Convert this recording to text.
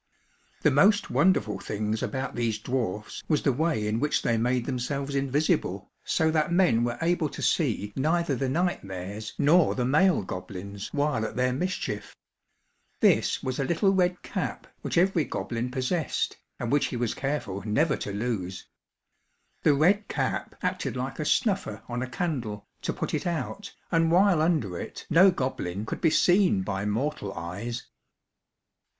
The most wonderful things about these dwarfs was the way in which they made themselves invisible, so that men were able to see neither the night mares nor the male goblins, while at their mischief. This was a little red cap which every goblin possessed, and which he was careful never to lose. The red cap acted like a snuffer on a candle, to put it out, and while under it, no goblin could be seen by mortal eyes.